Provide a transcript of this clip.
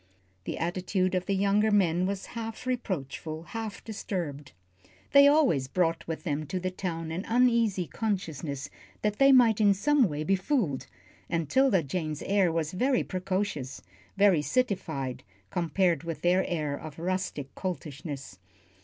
The attitude of the younger men was half reproachful, half disturbed. They always brought with them to the town an uneasy consciousness that they might in some way be fooled, and 'Tilda Jane's air was very precocious, very citified, compared with their air of rustic coltishness.